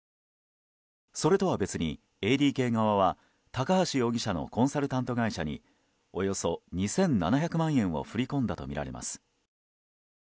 それとは別に、ＡＤＫ側は高橋容疑者のコンサルタント会社におよそ２７００万円を振り込んだとみられます。